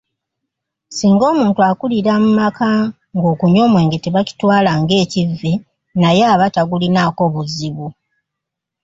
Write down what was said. Singa omuntu akulira mu maka ng'okunywa omwenge tebakitwala ng'ekivve naye aba tagulinaako buzibu.